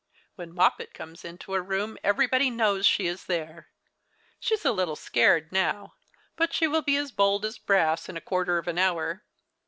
When Moppet comes into a room every body knows she is there. She is a little scared now ; but she will be as bold as brass in a quarter of an hour."